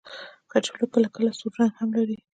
کچالو کله کله سور رنګ هم لري